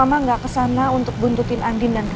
mama nggak kesana untuk buntutin andin dan rafael